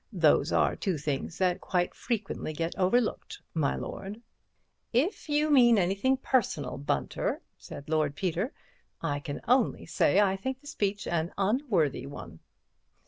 Those are two things that quite frequently get overlooked, my lord." "If you mean anything personal, Bunter," said Lord Peter, "I can only say that I think the speech an unworthy one.